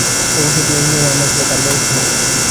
ভবিষ্যতে যাতে এই অনিয়ম আর না চলে, তার ব্যবস্থা নিতে হবে।